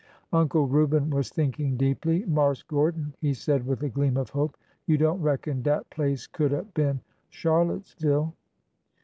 Uncle Reuben was thinking deeply. Marse Gordon," he said with a gleam of hope, '' you don't reckon dat place could 'a' been Charlottesville